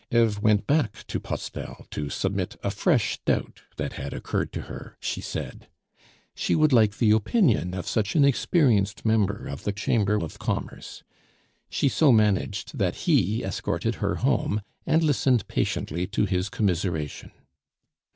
Eve went back to Postel to submit a fresh doubt that had occurred to her, she said. She would like the opinion of such an experienced member of the Chamber of Commerce; she so managed that he escorted her home, and listened patiently to his commiseration.